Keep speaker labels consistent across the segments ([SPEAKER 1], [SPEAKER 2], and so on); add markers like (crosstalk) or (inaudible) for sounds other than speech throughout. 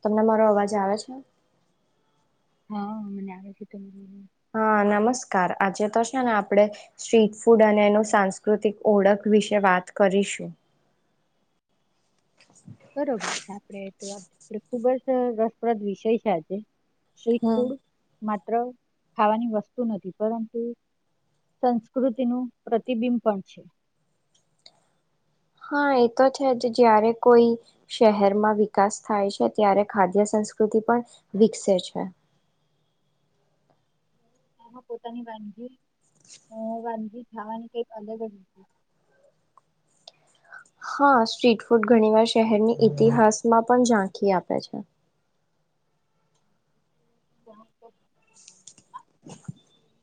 [SPEAKER 1] તમને મારો અવાજ આવે છે?
[SPEAKER 2] હા મને આવે છે. તમને
[SPEAKER 1] હા. નમસ્કાર આજે તો છે ને આપણે સ્ટ્રીટ ફૂડ અને એનું સાંસ્કૃતિક ઓળખ વિશે વાત કરીશું.
[SPEAKER 2] બરોબર છે. આપડે તો (unintelligible) ખૂબ જ અહ રસપ્રદ વિષય છે આજે. સ્ટ્રીટ
[SPEAKER 1] હમ
[SPEAKER 2] ફુડ માત્ર ખાવાની વસ્તુ નથી પરંતુ સંસ્કૃતિનું પ્રતિબિંબ પણ છે.
[SPEAKER 1] હા એ તો છે જ. જયારે કોઈ શહેરમાં વિકાસ થાય છે ત્યારે ખાદ્ય સંસ્કૃતિ પણ વિકસે છે.
[SPEAKER 2] પોતાની વાનગી અહ વાનગી ખાવાની કઈક અલગ જ
[SPEAKER 1] હા સ્ટ્રીટ ફૂડ ઘણી વાર શહેરની ઈતિહાસમાં પણ ઝાંખી આપે છે.
[SPEAKER 2] (inaudible)
[SPEAKER 1] (inaudible)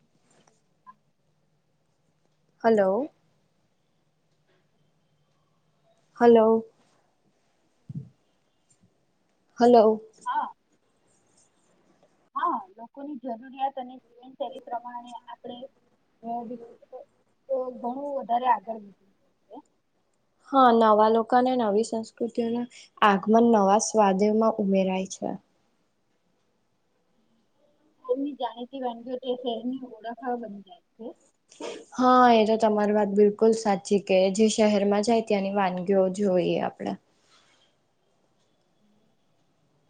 [SPEAKER 1] હલો. હલો. હલો.
[SPEAKER 2] હા હા લોકોની જરૂરિયાત અને જીવનશૈલી પ્રમાણે આપણે (inaudible) ઘણું વધારે આગળ (inaudible)
[SPEAKER 1] હા નવા લોકોને નવી સંસ્કૃતિઓના આગમન નવા સ્વાદેમાં ઉમેરાય છે.
[SPEAKER 2] શહેરની જાણીતી વાનગીઓ તે શહેરની ઓળખા બની જાય છે.
[SPEAKER 1] હા એ તો તમારી વાત બિલકુલ સાચી, કે જે શહેરમાં જાય ત્યાંની વાનગીઓ જોઈએ આપણે.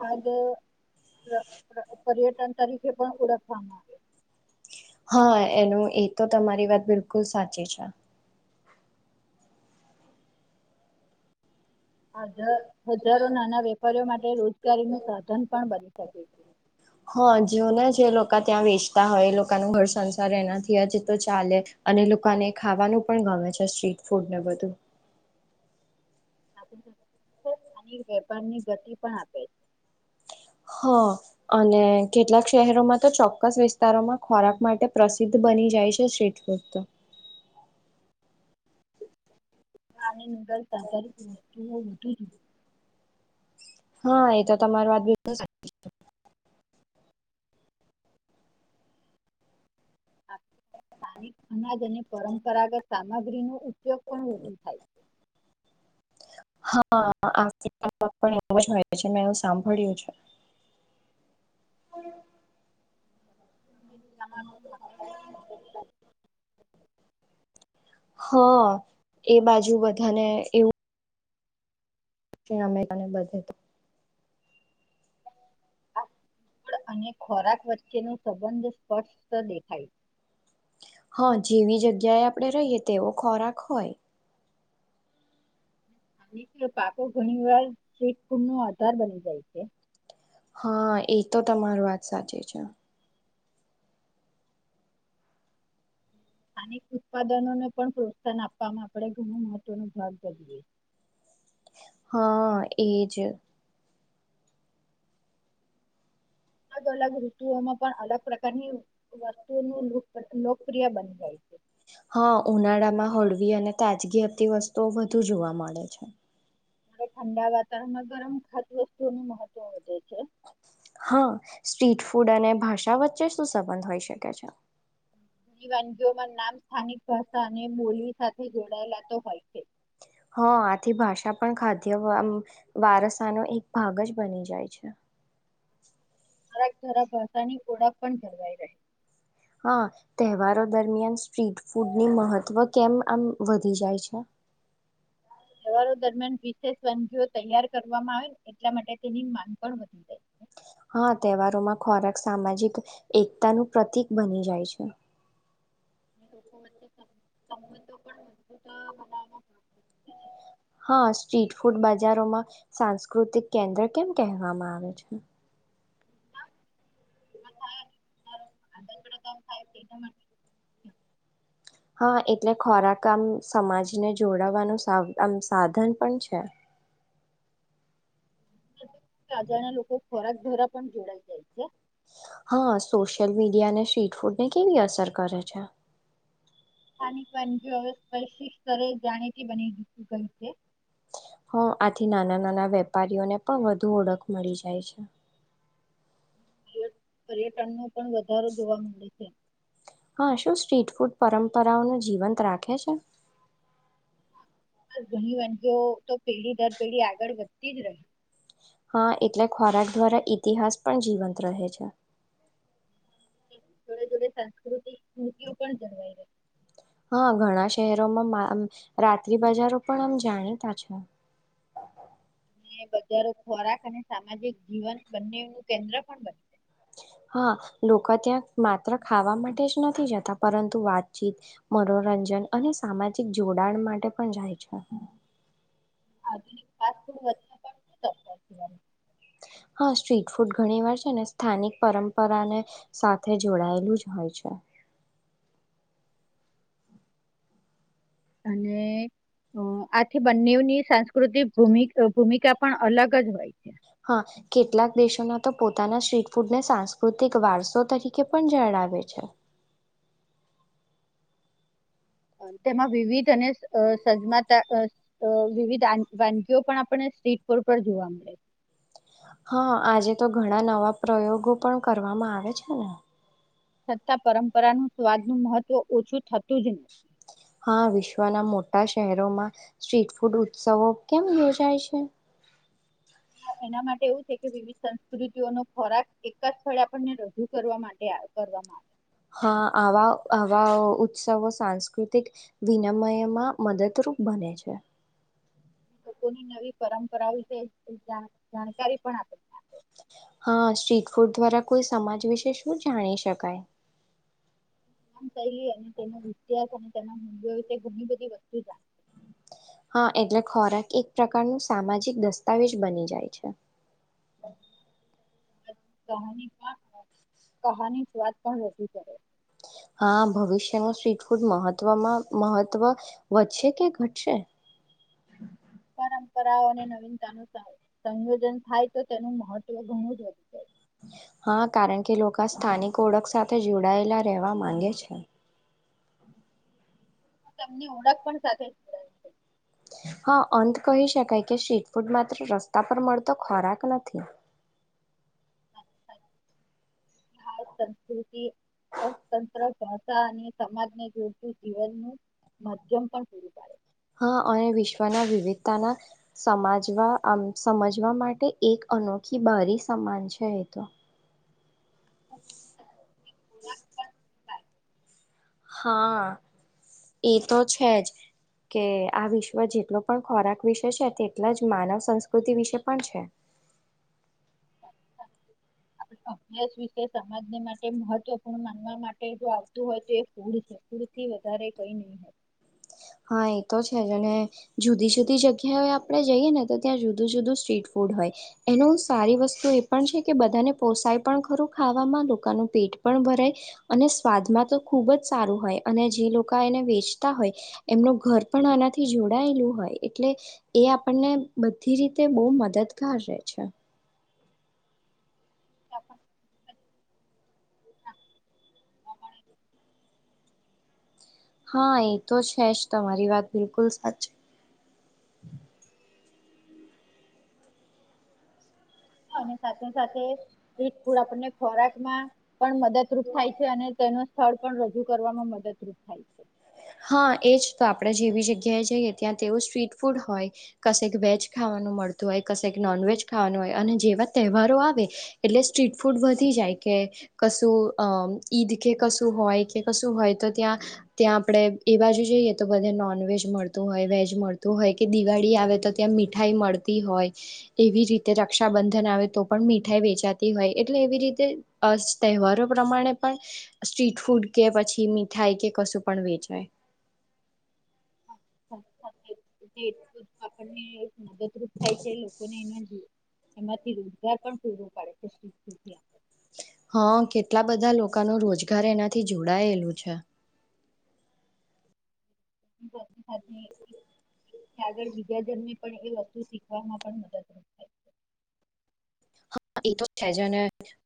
[SPEAKER 2] આજ પ પ પર્યટન તરીકે પણ ઓળખવામાં આવે.
[SPEAKER 1] હા એનું એ તો તમારી વાત બિલકુલ સાચી છે.
[SPEAKER 2] આજ હજારો નાના વેપારીઓ માટે રોજગારીનું સાધન પણ બની શકે છે.
[SPEAKER 1] કા ત્યાં વેચતા હોય, એ લોકનો ઘર સંસાર એનાથી હજી તો ચાલે, અને લોકાને ખાવાનું પણ ગમે છે સ્ટ્રીટ ફૂડને બધું.
[SPEAKER 2] વેપારને ગતિ પણ આપે છે.
[SPEAKER 1] હા અને કેટલાક શહેરોમાં તો ચોક્કસ વિસ્તારોમાં ખોરાક માટે પ્રસિદ્ધ બની જાય છે સ્ટ્રીટ ફૂડ તો.
[SPEAKER 2] (unintelligible) (inaudible)
[SPEAKER 1] હા એ તો તમારી વાત બી (unintelligible)
[SPEAKER 2] સ્થાનિક અનાજ અને પરંપરાગત સામગ્રી નુ ઉપયોગ પણ વધુ થાય છે.
[SPEAKER 1] હા આ (unintelligible) મે એવું સાંભળ્યું છે.
[SPEAKER 2] (unintelligible)
[SPEAKER 1] હા એ બાજુ બધાને એવું (unintelligible) અમેરિકાને બધે તો
[SPEAKER 2] અને ખોરાક વચ્ચે નો સંબંધ સ્પષ્ટ દેખાય
[SPEAKER 1] હા જેવી જગ્યાએ આપણે રહીએ તેવો ખોરાક હોય.
[SPEAKER 2] પાકો ઘણી વાર સ્ટ્રીટ ફૂડ નો આધાર બની જાય છે.
[SPEAKER 1] હા એ તો તમારી વાત સાચી છે.
[SPEAKER 2] સ્થાનિક ઉત્પાદનોને પણ પ્રોત્સાહન આપવાવામાં આપણે ઘણું મહત્વનો ભાગ બજએ
[SPEAKER 1] હા એજ.
[SPEAKER 2] અલગ અલગ ઋતુઓમાં પણ અલગ પ્રકારની વસ્તુઓનું લુક લોકપ્રિય બની જાય છે.
[SPEAKER 1] હા ઉનાળામાં હળવી અને તાજગી હતીતી વસ્તુઓ વધુ જોવા મળે છે.
[SPEAKER 2] મારે ઠંડા વાતાવરણમાં ગરમ ખાત્ય વસ્તુઓ નું મહત્વ વધે છે.
[SPEAKER 1] હા સ્ટ્રીટ ફૂડ અને ભાષા વચ્ચે શું સંબંધ હોઈ શકે છે?
[SPEAKER 2] ની વાનગીઓમાં નામ સ્થાનિક ભાષા અને બોલી સાથે જોડાયેલા તો હોય છે.
[SPEAKER 1] હા આથી ભાષા પણ ખાદ્ય આમ વારસાનો એક ભાગ જ બની જાય છે.
[SPEAKER 2] જરાક જરાક ભાષાની ઓળખ પણ જરવાઈ રહે.
[SPEAKER 1] હા તહેવારો દરમિયાન સ્ટ્રીટ ફૂડની મહત્વ કેમ આમ વધી જાય છે?
[SPEAKER 2] સગીઓ તૈયાર કરવામાં આવે ને એટલા માટે તેની માંગ પણ વધી જાય છે.
[SPEAKER 1] હા તહેવારોમાં ખોરાક સામાજિક એકતાનું પ્રતિક બની જાય છે.
[SPEAKER 2] (unintelligible)
[SPEAKER 1] હા સ્ટ્રીટ ફૂડ બજારોમાં સાંસ્કૃતિક કેન્દ્ર કેમ કહેવામાં આવે છે?
[SPEAKER 2] (inaudible)
[SPEAKER 1] હા એટલે ખોરાક આમ સમાજને જોડાવાનું આમ સાધન પણ છે.
[SPEAKER 2] રાજા ના લોકો ખોરાક ધ્વારા પણ જોડાઈ જાય છે.
[SPEAKER 1] હા સોશિયલ મીડિયા અને સ્ટ્રીટ ફૂડને કેવી અસર કરે છે?
[SPEAKER 2] સ્થાનિક વાનગી હવે સ્પર્શી સ્તરે જાણીતી બની દીધું ગઈ છે.
[SPEAKER 1] હ આથી નાના નાના વેપારીઓને પણ વધુ ઓળખ મળી જાય છે.
[SPEAKER 2] પર્ય પર્યટનનો પણ વધારો જોવા મળે છે.
[SPEAKER 1] હા શું સ્ટ્રીટ ફૂડ પરંપરાઓને જીવંત રાખે છે?
[SPEAKER 2] બસ ઘણી વાનગીઓ તો પેઢી દર પેઢી આગળ વધતી જ રહી
[SPEAKER 1] હા એટલે ખોરાક દ્વારા ઇતિહાસ પણ જીવંત રહે છે.
[SPEAKER 2] જોડે જોડે સંસ્કૃતિ
[SPEAKER 1] હા ઘણા શહેરોમાં આમ રાત્રિ બજારો પણ આમ જાણીતા છે.
[SPEAKER 2] રહી બજારો ખોરાક અને સામાજિક જીવન બંને નુ કેન્દ્ર પણ બને
[SPEAKER 1] હા લોકા ત્યાં માત્ર ખાવા માટે જ નથી જતા. પરંતુ વાતચીત, મનોરંજન અને સામાજિક જોડાણ માટે પણ જાય છે.
[SPEAKER 2] (inaudible)
[SPEAKER 1] હા સ્ટ્રીટ ફૂડ ઘણી વાર છે ને સ્થાનિક પરંપરાને સાથે જોડાયેલું જ હોય છે.
[SPEAKER 2] અને અ આથી બંનેની સાંસ્કૃતિક ભૂમક ભૂમિકા પણ અલગ જ હોય છે.
[SPEAKER 1] હા કેટલાક દેશોના તો પોતાના સ્ટ્રીટ ફૂડને સાંસ્કૃતિક વારસો તરીકે પણ જણાવે છે.
[SPEAKER 2] તેમાં વિવિધ અને અ સ સજમાતા અ વિવિધ વાનગીઓ પણ આપણે સ્ટ્રીટ ફોડ પર જોવા મળે છે.
[SPEAKER 1] હા આજે તો ઘણા નવા પ્રયોગો પણ કરવામાં આવે છે ને.
[SPEAKER 2] છતાં પરંપરાનું સ્વાદ નું મહત્વ ઓછું થતું જ નહી.
[SPEAKER 1] હા વિશ્વના મોટા શહેરોમાં સ્ટ્રીટ ફૂડ ઉત્સવો કેમ યોજાય છે?
[SPEAKER 2] એના માટે એવું છે કે વિવિધ સંસ્કૃતિઓનો ખોરાક એક જ સ્થળે આપણને રજૂ કરવા માટે આવકરવામાં આવે.
[SPEAKER 1] હા આવા આવા ઉત્સવો સાંસ્કૃતિક વિનિમયમાં મદદરૂપ બને છે.
[SPEAKER 2] લોકોની નવી પરંપરા વિશે છે જાણ જાણકારી પણ આપે. છે.
[SPEAKER 1] હા, સ્ટ્રીટ ફૂડ દ્વારા કોઈ સમાજ વિશે શું જાણી શકાય?
[SPEAKER 2] એ અને તેનો ઇતિહાસ અને તેના મલ્યો ઘણી બધી વસ્તુ જાણ
[SPEAKER 1] હા એટલે ખોરાક એક પ્રકાર નું સામાજિક દસ્તાવેજ બની જાય છે.
[SPEAKER 2] કહાની સ્વાદ પણ નથી કરે છે.
[SPEAKER 1] હા ભવિષ્યમાં સ્ટ્રીટ ફૂડ મહત્વમાં મહત્વ વધશે કે ઘટશે?
[SPEAKER 2] પરંપરાઓ અને નવીનતા નું સંયોજન થાય તો તેનું મહત્વ ઘણું જ વધુ જાય.
[SPEAKER 1] હા, કારણ કે લોકો સ્થાનિક ઓળખ સાથે જોડાયેલા રહેવા માંગે છે.
[SPEAKER 2] તમની ઓળખ પણ સાથે જ (unintelligible)
[SPEAKER 1] હા અંત કહી શકાય કે સ્ટ્રીટ ફૂડ માત્ર રસ્તા પર મળતો ખોરાક નથી.
[SPEAKER 2] સંસ્કૃતિ, અર્થતંત્ર, ભાષા અને સમાજને જોડતું જીવનનું માધ્યમ પણ પૂરું પાડે.
[SPEAKER 1] હા અને વિશ્વના વિવિધતાના સમાજવા સમજવા માટે એક અનોખી બારી સમાન છે એ તો.
[SPEAKER 2] છે. ખોરાક પણ પૂરી પાડે
[SPEAKER 1] હા એ તો છે જ કે આ વિશ્વ જેટલો પણ ખોરાક વિશે છે તેટલા જ માનવ સંસ્કૃતિ વિશે પણ છે.
[SPEAKER 2] અભ્યાસ વિશે સમાજને માટે મહત્વપૂર્ણ માનવા માટે જો આવતું હોય તો એ ફૂળ છે ફૂડથી વધારે કઈ નહી હોય.
[SPEAKER 1] હા એ તો છે અને જુદી જુદી જગ્યાએ આપણે જઈએ ને તો ત્યાં જુદું જુદું સ્ટ્રીટ ફૂડ હોય એનું સારી વસ્તુ એ પણ છે કે બધાને પોસાય પણ ખરું ખાવામાં લોકોનું પેટ પણ ભરાય અને સ્વાદમાં તો ખુબ જ સારું હોય અને જે લોકો એને વેચતા હોય એમનું ઘર પણ આનાથી જોડાયેલું હોય એટલે એ આપણને બધી રીતે બહુ મદદગાર રહેે છે.
[SPEAKER 2] (inaudible) જાણવા મળે
[SPEAKER 1] હા એ તો છે જ તમારી વાત બિલકુલ સાચ.
[SPEAKER 2] અને સાથે સાથે (unintelligible) આપણને ખોરાકમાં પણ મદદરૂપ થાય છે અને તેનું સ્થળ પણ રજૂ કરવામાં મદદરૂપ થાય છે.
[SPEAKER 1] હા એજ તો આપણે જેવી જગ્યાએ જઈએ ત્યાં તેવું સ્ટ્રીટ ફૂડ હોય. કશેક વેજ ખાવાનું મળતું હોય, કશેક નોનવેેજ ખાવાનું હોય અને જેવા તહેવારો આવે એટલે સ્ટ્રીટ ફૂડ વધી જાય કે અ કશું ઈદ કે કશું હોય કે કશું હોય તો ત્યાં ત્યાં આપણે એ બાજુ જઈએ તો બધે નોનવેેજ મળતું હોય, વેજ મળતું હોય કે દિવાળી આવે તો ત્યાં મીઠાઈ મળતી હોય. એવી રીતે રક્ષાબંધન આવે તો પણ મીઠાઈ વેચાતી હોય એટલે એવી રીતે અ તહેવારો પ્રમાણે પણ સ્ટ્રીટ ફૂડ કે પછી મીઠાઈ કે કશું પણ વેચાય.
[SPEAKER 2] વાત સાચી. (inaudible) આપણને મદદરૂપ થાય છે. લોકોને (inaudible) એમાંથી રોજગાર પણ પૂરો પાડે છે (unintelligible)
[SPEAKER 1] હા કેટલા બધા લોકોનો રોજગાર એનાથી જોડાયેલું છે.
[SPEAKER 2] આગળ બીજા જન્મે પણ એ વસ્તુ શીખવામાં પણ મદદરૂપ થાય છે.
[SPEAKER 1] હા એ તો છે જ અને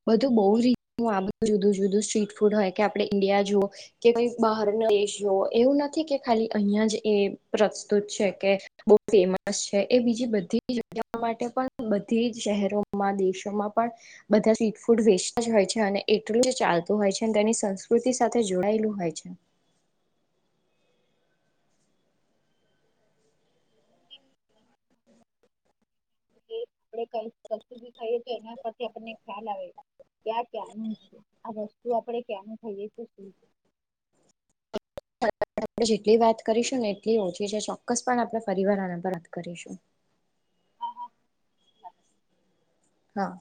[SPEAKER 1] બધું બહુ રીતું આ બધું જુદું જુદું સ્ટ્રીટ ફૂડ હોય કે આપણે ઈન્ડિયા જુઓ કેઈ બહાર ના દેશ જુઓ એવું નથી કે ખાલી અહિયાં જ એ પ્રસ્તુત છે કે બવ ફેમસ છે એ બીજી બધી જ માટે પણ બધી જ શહેરો માં દેશોમાં પણ બધા સ્ટ્રીટ ફૂડ વેચતા જ હોય છે અને એટલું જ ચાલતું હોય છે અને તેની સંસ્કૃતિ સાથે જોડાયેલું હોય છે.
[SPEAKER 2] એ આપણે કઈ કશું બી ખાઈએ તો એના પરથી આપણને ખ્યાલ આવે કે આ ક્યાંનું છે આ વસ્તુ આપણે ક્યાંનું ખાઈએ શું છે.
[SPEAKER 1] આપણે જેટલી વાત કરીશું ને એટલી ઓછી છે. ચોક્કસ પણ આપણે ફરીવાર આના પર વાત કરીશું. હા.